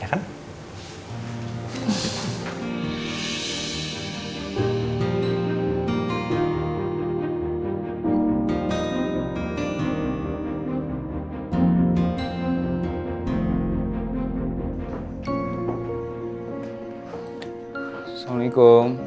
dia yang menemani selalu